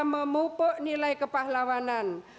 memupuk nilai kepahlawanan